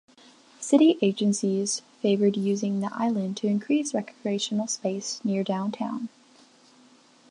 City agencies favored using the island to increase recreational space near Downtown.